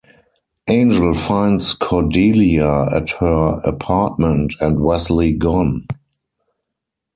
Angel finds Cordelia at her apartment, and Wesley gone.